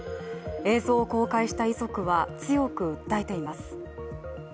映像を公開した遺族は強く訴えています。